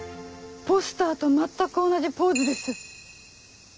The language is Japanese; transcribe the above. ポスターと全く同じポーズです。